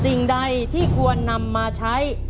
สิ่งใดที่ควรนำมาใช้